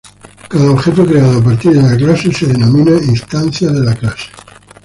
Cada objeto creado a partir de la clase se denomina instancia de la clase.